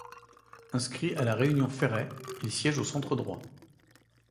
Inscrit à la réunion Feray, il siège au centre-droit.